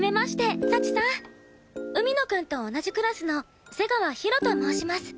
海野くんと同じクラスの瀬川ひろと申します。